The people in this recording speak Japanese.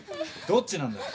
どっちなんだよ？